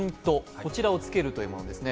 こちらをつけるというものですね。